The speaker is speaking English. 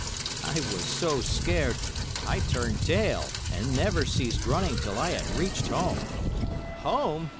I was so scared, I turned tail, and never ceased running till I had reached home." "Home!"